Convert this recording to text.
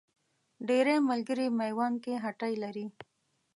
ډېری ملګري میوند کې هټۍ لري.